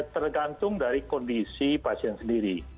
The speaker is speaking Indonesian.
tergantung dari kondisi pasien sendiri